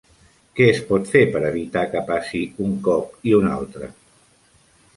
Què es pot fer per evitar que passi un cop i un altre?